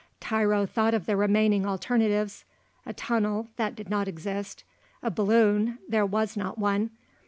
Tiro thought of the remaining alternatives: a tunnel, that did not exist; a balloon, there was not one.